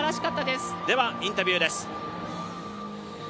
ではインタビューです。